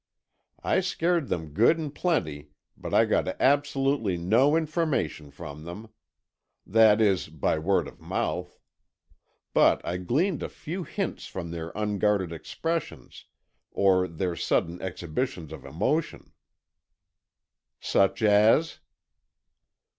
I scared them good and plenty but I got absolutely no information from them. That is, by word of mouth. But I gleaned a few hints from their unguarded expressions, or their sudden exhibitions of emotion." "Such as?"